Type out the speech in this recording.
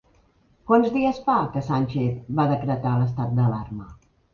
Quants dies fa que Sánchez va decretar l'estat d'alarma?